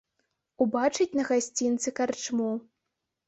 Убачыць на гасцінцы карчму.